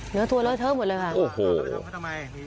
เนื้อตัวเลอะเทอะหมดเลยค่ะ